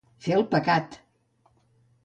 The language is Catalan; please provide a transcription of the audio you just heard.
Fer el pecat.